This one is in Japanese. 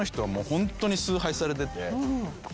ホントに崇拝されてて。